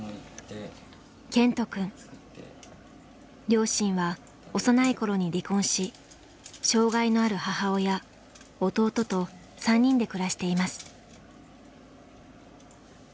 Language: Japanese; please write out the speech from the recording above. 両親は幼い頃に離婚し障害のある母親弟と３人で暮らしています。